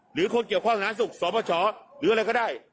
หรือคนเกี่ยวข้างหน้าสุขสวบเฉาะหรืออะไรก็ได้